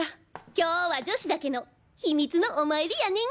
今日は女子だけの秘密のお参りやねん！